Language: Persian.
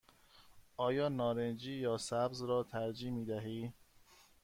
آیا نارنجی یا سبز را ترجیح می دهی؟